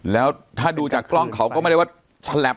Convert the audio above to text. แล้วถ้าดูจากกล้องเขาก็ไม่ได้ว่าฉลับ